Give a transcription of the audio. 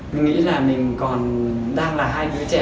tôi nghĩ là mình còn đang là hai đứa trẻ